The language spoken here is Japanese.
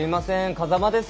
風間です。